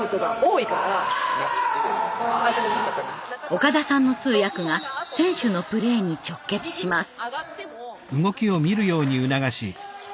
岡田さんの通訳が選手のプレーに直結します。